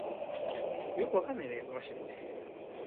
The castle is adapted after these attacks.